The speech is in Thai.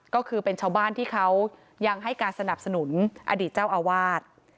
ก็คือเป็นชาวบ้านที่เขายังให้การสนับสนุนอดีตเจ้าอาวาส